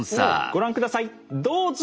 ご覧下さいどうぞ！